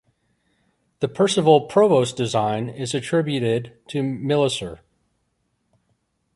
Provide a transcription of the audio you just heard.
The Percival Provost design is attributed to Millicer.